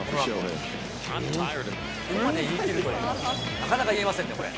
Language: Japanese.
なかなか言えませんね、これ。